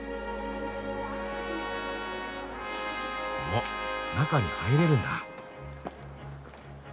あ中に入れるんだ。